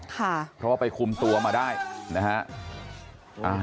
เพราะว่าไปคุมตัวมาได้นะฮะ